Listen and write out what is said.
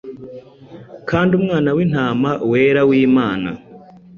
Kandi Umwana w'intama wera w'Imana